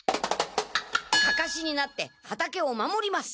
かかしになって畑を守ります！